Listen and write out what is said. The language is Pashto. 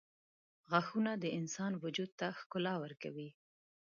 • غاښونه د انسان وجود ته ښکلا ورکوي.